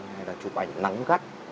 hay là chụp ảnh nắng gắt